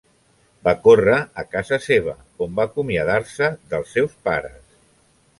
Va córrer a casa seva on va acomiadar-se dels seus pares.